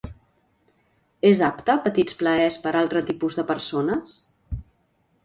És apta Petits plaers per altre tipus de persones?